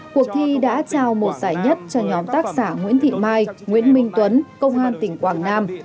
cuộc thi đã trao một giải nhất cho nhóm tác giả nguyễn thị mai nguyễn minh tuấn công an tỉnh quảng nam